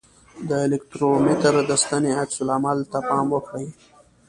د الکترومتر د ستنې عکس العمل ته پام وکړئ.